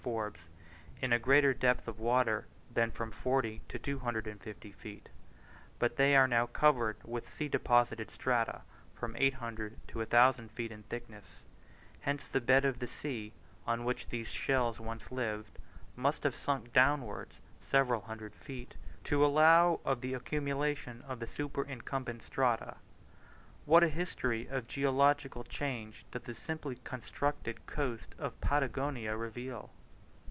Forbes, in a greater depth of water than from 40 to 250 feet; but they are now covered with sea deposited strata from 800 to 1000 feet in thickness: hence the bed of the sea, on which these shells once lived, must have sunk downwards several hundred feet, to allow of the accumulation of the superincumbent strata. What a history of geological changes does the simply constructed coast of Patagonia reveal!